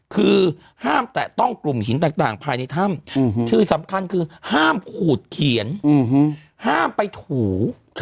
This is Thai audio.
คือห้ามแตะต้องกลุ่มหินต่างภายในถ้ำที่สำคัญคือห้ามขูดเขียนห้ามไปถู